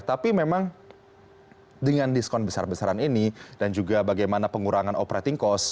tapi memang dengan diskon besar besaran ini dan juga bagaimana pengurangan operating cost